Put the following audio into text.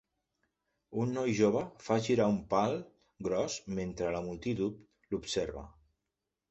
Un noi jove fa girar un pal gros mentre la multitud l'observa.